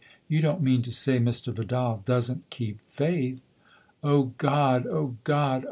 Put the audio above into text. " You don't mean to say Mr. Vidal doesn't keep faith ?"" Oh, God